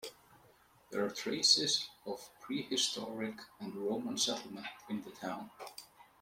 There are traces of prehistoric and Roman settlement in the town.